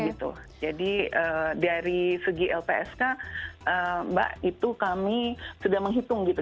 gitu jadi dari segi lpsk mbak itu kami sudah menghitung gitu